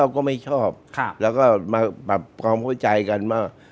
ก็ไม่ชอบแล้วก็มาปรับความเข้าใจกันว่า